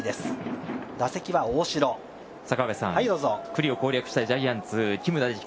九里を攻略したいジャイアンツ。